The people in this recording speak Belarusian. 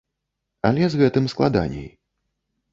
Але з гэтым складаней.